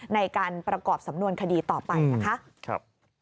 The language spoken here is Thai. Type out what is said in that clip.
ในการประกอบสำนวนคดีต่อไปนะคะ